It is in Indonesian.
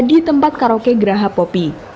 di tempat karaoke geraha popi